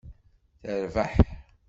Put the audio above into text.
Terbeḥ.